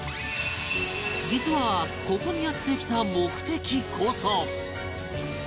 実はここにやって来た目的こそ